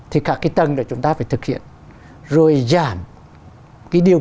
thì cả cái tầng này chúng ta phải thực hiện rồi giảm cái điều